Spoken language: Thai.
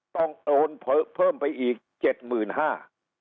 ต้องโอนเพิ่มไปอีกเจ็ดหมื่นห้า